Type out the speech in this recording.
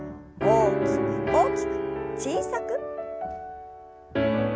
大きく大きく小さく。